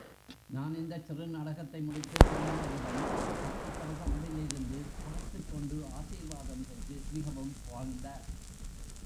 நான் இந்தச் சிறுநாடகத்தை முடித்துத் திரும்பியவுடன், பக்கப்படுதாவிலிருந்து பார்த்துக் கொண்டு ஆசீர்வாதம் செய்து மிகவும் புகழ்ந்தார்!